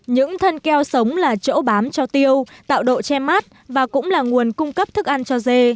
những thân keo sống là chỗ bám cho tiêu tạo độ che mát và cũng là nguồn cung cấp thức ăn cho dê